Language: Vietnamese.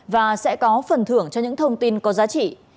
và sẽ có phần thưởng cho những thông tin có giá trị